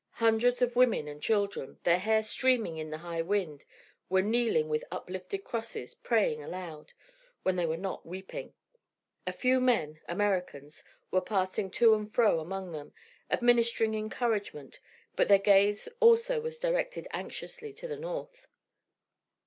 Hundreds of women and children, their hair streaming in the high wind, were kneeling with uplifted crosses, praying aloud, when they were not weeping. A few men, Americans, were passing to and fro among them, administering encouragement; but their gaze also was directed anxiously to the north.